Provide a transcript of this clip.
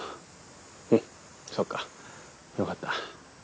うんそうかよかった。